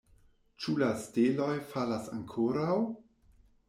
Ĉu la steloj falas ankoraŭ?